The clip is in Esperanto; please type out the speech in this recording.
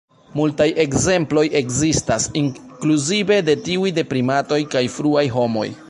Multaj ekzemploj ekzistas, inkluzive de tiuj de primatoj kaj fruaj homoj.